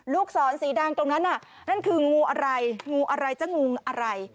ลูกศรสีแดงตรงนั้นน่ะนั่นคืองูอะไรงูอะไรจะงูอะไร